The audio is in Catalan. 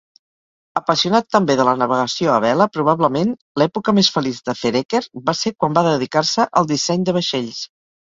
Apassionat també de la navegació a vela, probablement l'època més feliç de Vereker va ser quan va dedicar-se al disseny de vaixells.